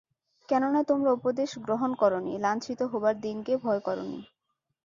কেননা তোমরা উপদেশ গ্রহণ করনি, লাঞ্ছিত হবার দিনকে ভয় করনি।